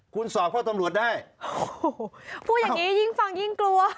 คุณสอบเข้าตำรวจได้โอ้โหพูดอย่างงี้ยิ่งฟังยิ่งกลัว